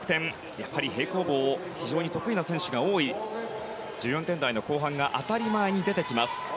やはり平行棒が非常に得意な選手が多い１４点台の後半が当たり前に出てきます。